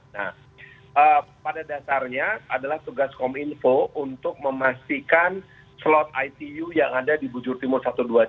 nah pada dasarnya adalah tugas kominfo untuk memastikan slot itu yang ada di bujur timur satu ratus dua puluh satu